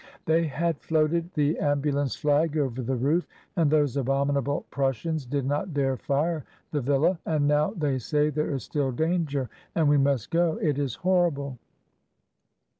They had floated the am bulance flag over the roof, and those abominable Prussians did not dare fire the villa. "And now they say there is still danger, and we must go. It is horrible."